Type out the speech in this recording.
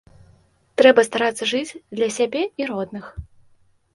Трэба старацца жыць для сябе і родных.